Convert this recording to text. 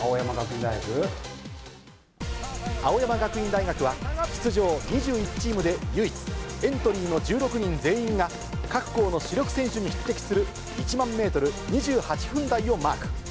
青山学院大学は、出場２１チームで唯一、エントリーの１６人全員が、各校の主力選手に匹敵する１００００メートル、２８分台をマーク。